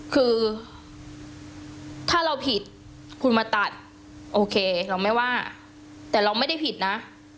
คือถ้าเราผิดคุณมาตัดโอเคเราไม่ว่าแต่เราไม่ได้ผิดนะ